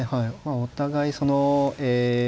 お互いそのえ